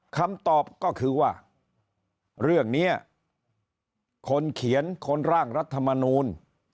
คำตอบก็คือว่าเรื่องนี้คนเขียนคนร่างรัฐมนูล